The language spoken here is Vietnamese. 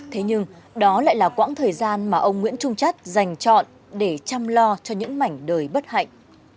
thế nhưng đó lại là quãng thời gian mà ông nguyễn trung chất dành chọn để chăm lo cho những mảnh đời bất hạnh